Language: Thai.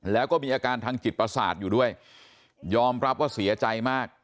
แล้วก็มีอาการทางจิตประสาทอยู่ด้วยยอมรับว่าเสียใจมาก